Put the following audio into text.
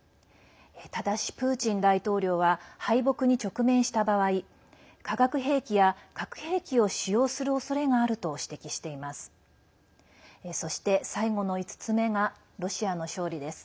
ただし、プーチン大統領は敗北に直面した場合化学兵器や核兵器を使用するおそれがあると指摘しています。